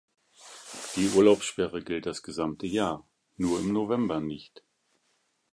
Die Urlaubssperre gilt das gesamte Jahr, nur im November nicht.